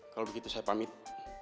kalau begitu saya pamitkan